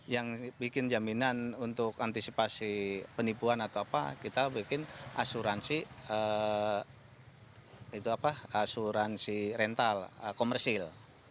yang bikin jaminan untuk antisipasi penipuan atau apa kita bikin asuransi asuransi rental komersil